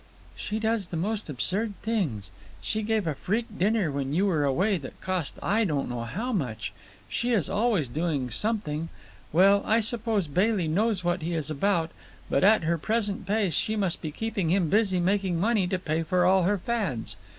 "She does the most absurd things. She gave a freak dinner when you were away that cost I don't know how much. She is always doing something. Well, I suppose Bailey knows what he is about; but at her present pace she must be keeping him busy making money to pay for all her fads.